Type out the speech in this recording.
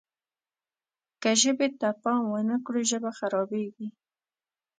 که ژبې ته پام ونه کړو ژبه خرابېږي.